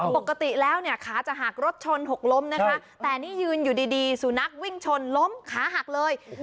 ปกติแล้วเนี่ยขาจะหักรถชนหกล้มนะคะแต่นี่ยืนอยู่ดีสุนัขวิ่งชนล้มขาหักเลย